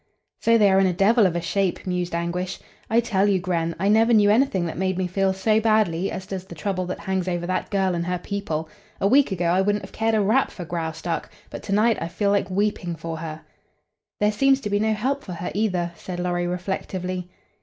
"So they are in a devil of a shape," mused Anguish. "I tell you, Gren, I never knew anything that made me feel so badly as does the trouble that hangs over that girl and her people. A week ago I wouldn't have cared a rap for Graustark, but to night I feel like weeping for her." "There seems to be no help for her, either," said Lorry, reflectively.